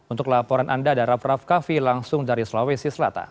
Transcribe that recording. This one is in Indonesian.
untuk laporan anda daraf rafkafi langsung dari sulawesi selatan